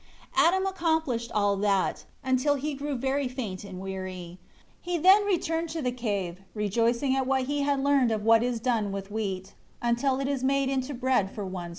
10 Adam accomplished all that, until he grew very faint and weary. He then returned to the cave; rejoicing at what he had learned of what is done with wheat, until it is made into bread for one's use.